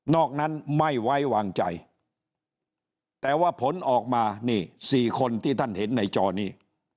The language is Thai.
อกนั้นไม่ไว้วางใจแต่ว่าผลออกมานี่สี่คนที่ท่านเห็นในจอนี้